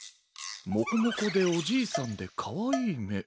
モコモコでおじいさんでかわいいめ？